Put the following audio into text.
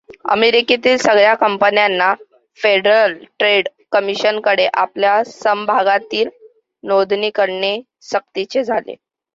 अमेरिकेतील सगळ्या कंपन्यांना फेडरल ट्रेड कमिशनकडे आपल्या समभागांची नोंदणी करणे सक्तीचे झाले.